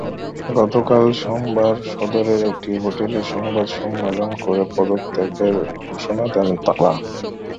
গতকাল সোমবার সদরের একটি হোটেলে সংবাদ সমেঞ্চলন করে পদত্যাগের ঘোষণা দেন তাঁরা।